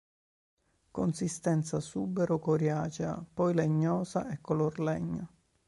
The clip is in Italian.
Consistenza subero-coriacea, poi legnosa e color legno.